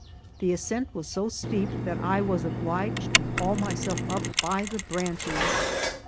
The ascent was so steep that I was obliged to haul myself up by the branches.